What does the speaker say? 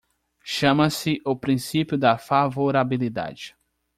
Chama-se o princípio da favorabilidade.